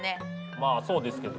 まあそうですけど。